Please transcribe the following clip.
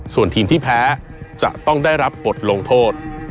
ส่วนทีมที่แพ้จะต้องได้รับบทลงโทษ